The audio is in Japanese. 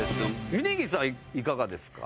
峯岸さんはいかがですか？